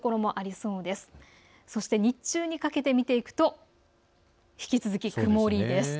そして日中にかけて見ていくと引き続き、曇りです。